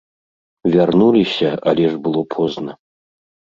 Вярнуліся, але ж было позна.